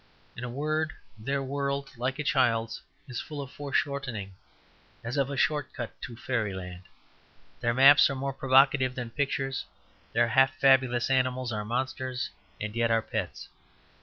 In a word, their world, like a child's, is full of foreshortening, as of a short cut to fairyland. Their maps are more provocative than pictures. Their half fabulous animals are monsters, and yet are pets.